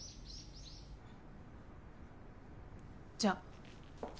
じゃあ。